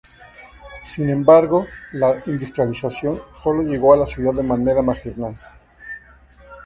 Sin embargo, la industrialización sólo llegó a la ciudad de manera marginal.